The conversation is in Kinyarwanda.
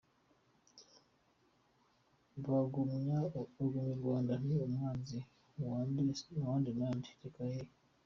Bagumya u Rwanda ni umwanzi wande na nde? Reka ye!.